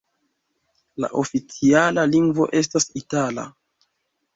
La oficiala lingvo estas itala.